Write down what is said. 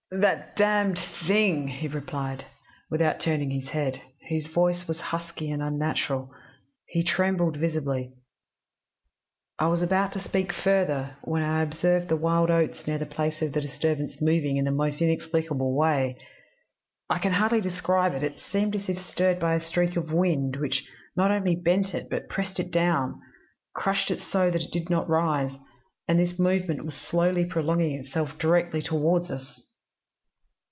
"'That Damned Thing!' he replied, without turning his head. His voice was husky and unnatural. He trembled visibly. "I was about to speak further, when I observed the wild oats near the place of the disturbance moving in the most inexplicable way. I can hardly describe it. It seemed as if stirred by a streak of wind, which not only bent it, but pressed it down crushed it so that it did not rise, and this movement was slowly prolonging itself directly toward us.